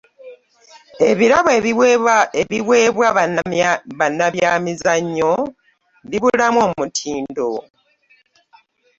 Ebirabo ebiweebwa bannabyamizannyo bibulamu omutindo.